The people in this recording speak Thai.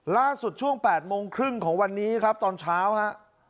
ล่าสุดช่วงแปดโมงครึ่งของวันนี้ครับตอนเช้าฮะ